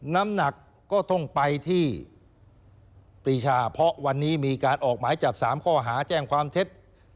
น้ำหนักก็ต้องไปที่ปรีชาเพราะวันนี้มีการออกหมายจับ๓ข้อหาแจ้งความเท็จ